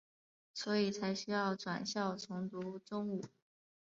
所以才需要转校重读中五。